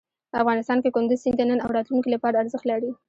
افغانستان کې کندز سیند د نن او راتلونکي لپاره ارزښت لري.